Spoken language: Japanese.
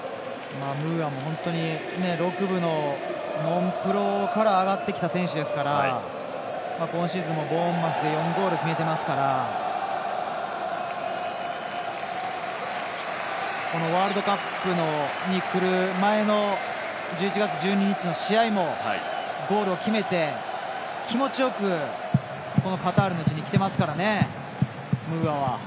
ムーアも本当に６部のノンプロから上がってきた選手ですから今シーズンもボーンマスで４ゴール決めていますからワールドカップにくる前の１１月１２日の試合もゴールを決めて気持ちよくこのカタールの地に来ていますから、ムーアは。